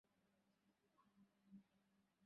তা ও বে।